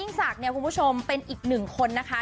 ศักดิ์เนี่ยคุณผู้ชมเป็นอีกหนึ่งคนนะคะ